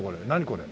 これ。